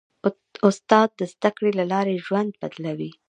استاد د زدهکړې له لارې ژوند بدلوي.